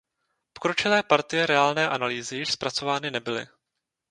Pokročilé partie reálné analýzy již zpracovány nebyly.